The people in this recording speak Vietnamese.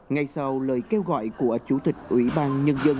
ngay sau lời kêu gọi của chủ tịch ủy ban nhân dân